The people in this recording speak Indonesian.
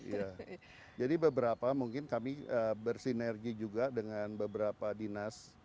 iya jadi beberapa mungkin kami bersinergi juga dengan beberapa dinas